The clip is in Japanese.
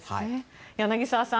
柳澤さん